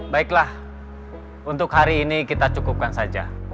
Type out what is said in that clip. baiklah untuk hari ini kita cukupkan saja